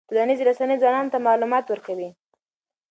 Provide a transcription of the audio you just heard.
ټولنیزې رسنۍ ځوانانو ته معلومات ورکوي.